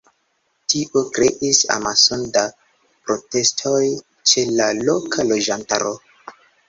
Tio kreis amason da protestoj ĉe la loka loĝantaro.